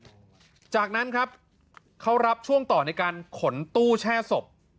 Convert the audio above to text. ข่าวที่ผ่านมาเนี้ยจากนั้นครับเขารับช่วงต่อในการขนตู้แช่ศพ